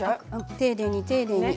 丁寧に丁寧に。